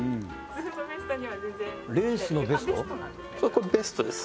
これベストです